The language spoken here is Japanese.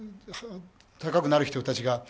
高くなる人たちが。